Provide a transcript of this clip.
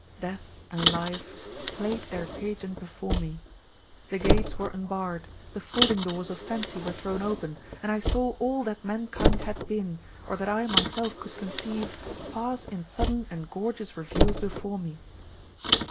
Death and Life jdayed their pageant before me. The gates were unbarred, the folding doors of fancy were thrown open, and I saw all that mankind had been, or that I myself could con ceive, pass in sudden and gorgeous review before me.